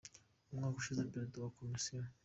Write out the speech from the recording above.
Umwaka ushize Perezida wa Komisiyo.